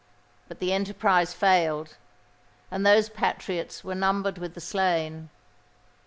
But the enterprise failed—and those patriots were numbered with the slain.